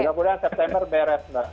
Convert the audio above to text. mudah mudahan september beres mbak